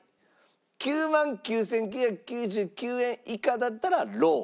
９万９９９９円以下だったらロー。